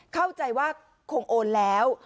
เข้าใจว่าคงโอนแล้ว